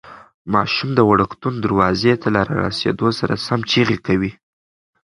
ماشوم د وړکتون دروازې ته له رارسېدو سره سم چیغې کوي.